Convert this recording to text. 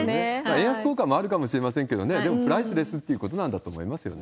円安効果もあるかもしれませんけれどもね、でも、プライスレスということだと思うんですけどね。